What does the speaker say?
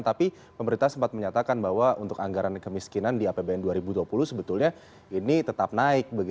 tapi pemerintah sempat menyatakan bahwa untuk anggaran kemiskinan di apbn dua ribu dua puluh sebetulnya ini tetap naik